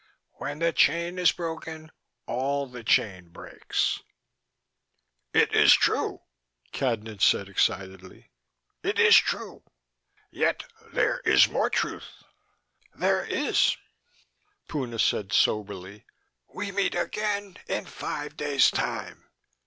"When the chain is broken all the chain breaks." "It is true," Cadnan said excitedly. "It is true. Yet there is more truth " "There is," Puna said soberly. "We meet again in five days' time.